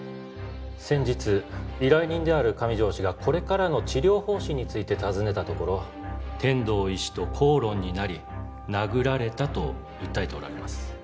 先日依頼人である上条氏がこれからの治療方針について尋ねたところ天堂医師と口論になり殴られたと訴えておられます